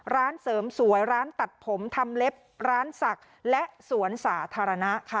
ร้านเสริมสวยร้านตัดผมทำเล็บร้านศักดิ์และสวนสาธารณะค่ะ